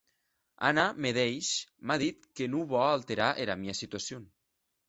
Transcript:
Anna madeish m'a dit que non vò alterar era mia situacion.